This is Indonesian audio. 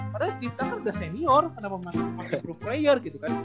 padahal di stats kan udah senior kenapa masuk most improved player